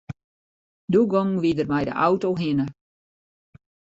Doe gongen we der mei de auto hinne.